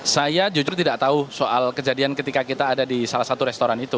saya justru tidak tahu soal kejadian ketika kita ada di salah satu restoran itu